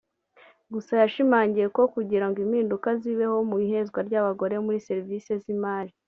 Gusa yashimangiye ko kugira ngo impinduka zibeho mu ihezwa ry’abagore muri serivisi z’imari